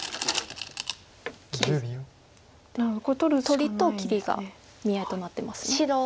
取りと切りが見合いとなってます。